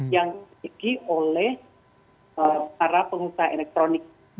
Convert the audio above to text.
yang dimiliki oleh para pengusaha elektronik